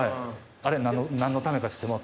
あれ何のためか知ってます？